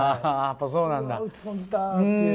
そうなんだ。